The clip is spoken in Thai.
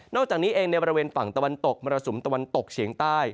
อกจากนี้เองในบริเวณฝั่งตะวันตกมรสุมตะวันตกเฉียงใต้